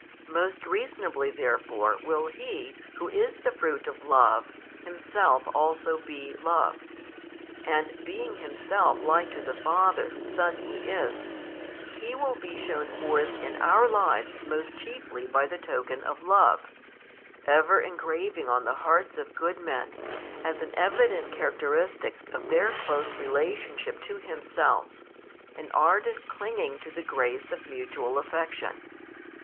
Most reasonably, therefore, will He, Who is the Fruit of Love, Himself also be Love; and being Himself like to the Father Whose Son He is, He will be shown forth in our lives most chiefly by |222 the token of love, ever engraving on the hearts of good men, as an evident characteristic of their close relationship to Himself, an ardent clinging to the grace of mutual affection.